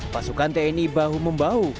pasukan tni bahu membahu